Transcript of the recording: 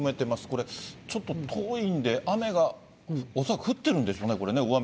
これ、ちょっと遠いんで、雨が恐らく降ってるんでしょうね、これ、大雨。